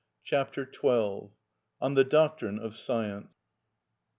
Chapter XII.(23) On The Doctrine Of Science.